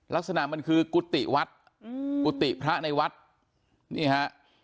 ลักษณะมันคือกุฏิวัดอืมกุฏิพระในวัดนี่ฮะ